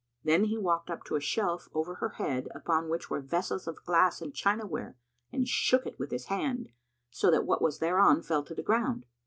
Then he walked up to a shelf[FN#164] over her head upon which were vessels of glass and chinaware, and shook it with his hand, so that what was thereon fell to the ground.